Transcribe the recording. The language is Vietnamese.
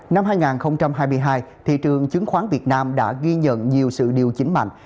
năm hai nghìn hai mươi hai thị trường chứng khoán việt nam đã ghi nhận nhiều sự điều chỉnh mạnh